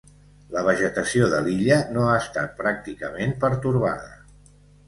La vegetació de l'illa no ha estat pràcticament pertorbada.